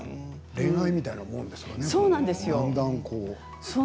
恋愛みたいなもんですかね。